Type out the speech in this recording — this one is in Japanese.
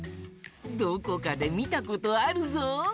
どこかでみたことあるぞ。